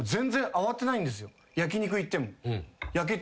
焼き肉行っても。